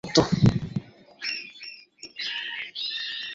এটি র অন্তর্ভুক্ত।